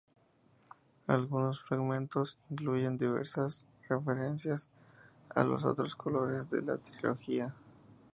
Algunos fragmentos incluyen diversas referencias a los otros colores de la trilogía.